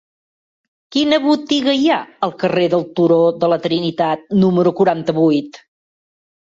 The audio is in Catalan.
Quina botiga hi ha al carrer del Turó de la Trinitat número quaranta-vuit?